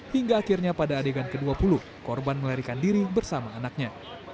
hingga akhirnya pada adegan ke dua puluh korban melarikan diri bersama anaknya